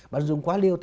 bạn dùng quá liều